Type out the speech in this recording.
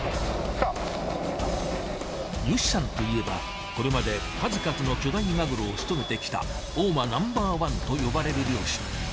ヨシさんといえばこれまで数々の巨大マグロを仕留めてきた大間ナンバーワンと呼ばれる漁師だ。